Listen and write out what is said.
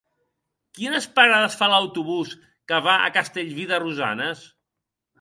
Quines parades fa l'autobús que va a Castellví de Rosanes?